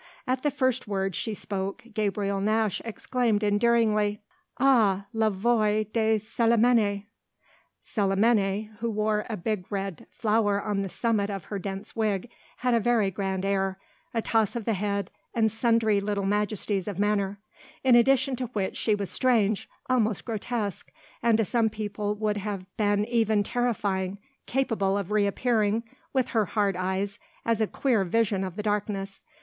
At the first words she spoke Gabriel Nash exclaimed endearingly: "Ah la voix de Célimène!" Célimène, who wore a big red flower on the summit of her dense wig, had a very grand air, a toss of the head, and sundry little majesties of manner; in addition to which she was strange, almost grotesque, and to some people would have been even terrifying, capable of reappearing, with her hard eyes, as a queer vision of the darkness.